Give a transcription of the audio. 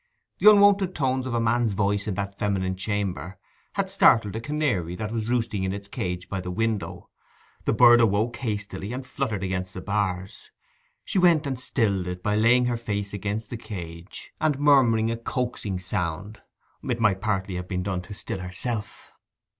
The unwonted tones of a man's voice in that feminine chamber had startled a canary that was roosting in its cage by the window; the bird awoke hastily, and fluttered against the bars. She went and stilled it by laying her face against the cage and murmuring a coaxing sound. It might partly have been done to still herself.